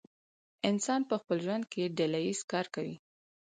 انسان په خپل ژوند کې ډله ایز کار کوي.